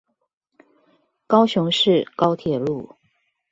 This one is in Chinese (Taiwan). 高雄市高鐵路